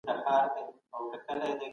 د څپه صاحب د لیکلو سبک ماشوم ته نږدې دی.